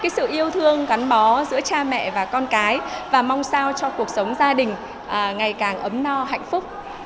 sự yêu thương gắn bó giữa cha mẹ và con cái và mong sao cho cuộc sống gia đình ngày càng ấm no hạnh phúc